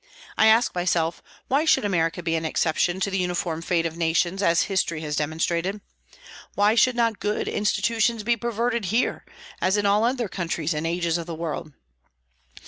I ask myself, Why should America be an exception to the uniform fate of nations, as history has demonstrated? Why should not good institutions be perverted here, as in all other countries and ages of the world?